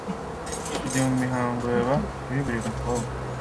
Kujya mu mihango biba kuri buri mukobwa,